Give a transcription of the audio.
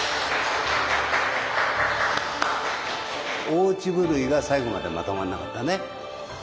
大血振るいが最後までまとまんなかったね。